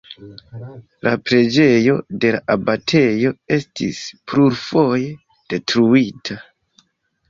La preĝejo de la abatejo estis plurfoje detruita.